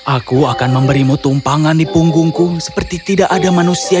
aku akan memberimu tumpangan di punggungku seperti tidak ada manusia